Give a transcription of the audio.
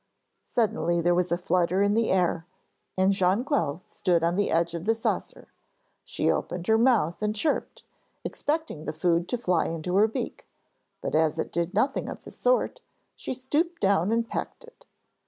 Suddenly there was a flutter in the air, and Jonquil stood on the edge of the saucer. She opened her mouth and chirped, expecting the food to fly into her beak; but as it did nothing of the sort, she stooped down and pecked it.